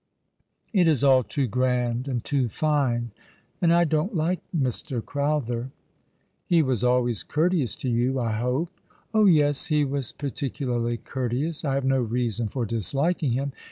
It is all too grand and too fine — and I don't like Mr. Crowther." " He was always courteous to you, I hope ?"" Oh yes, he was particularly courteous. I have no reason for disliking him.